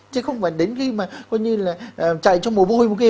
chứ không phải đến khi mà coi như là chạy trong một bôi